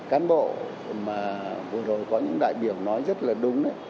cán bộ mà vừa rồi có những đại biểu nói rất là đúng